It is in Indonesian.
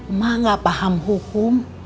emak gak paham hukum